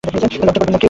লজ্জা করবেন না কেউ।